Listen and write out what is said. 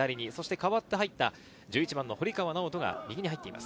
代わって入った１１番の堀川直人が、右に入っています。